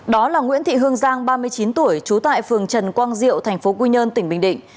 đó là nguyễn thị hương giang ba mươi chín tuổi trú tại phường trần quang diệu tp quy nhơn tỉnh bình định